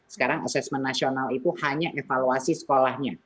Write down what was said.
sekarang assessment nasional itu hanya evaluasi sekolahnya